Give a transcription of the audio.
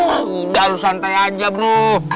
eh udah santai aja bro